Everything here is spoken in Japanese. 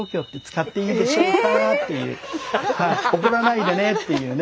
怒らないでねっていうね。